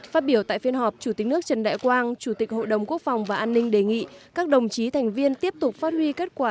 phát biểu tại phiên họp chủ tịch nước trần đại quang chủ tịch hội đồng quốc phòng và an ninh đề nghị các đồng chí thành viên tiếp tục phát huy kết quả